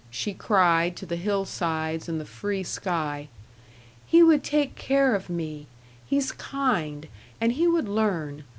she cried to the hillsides and the free sky. "He would take care of me. He's kind; and he would learn.